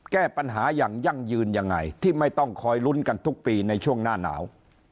แก้ปัญหาอย่างยั่งยืนยังไงที่ไม่ต้องคอยลุ้นกันทุกปีในช่วงหน้าหนาว